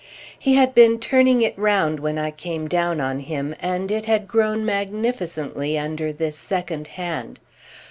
He had been turning it round when I came down on him, and it had grown magnificently under this second hand.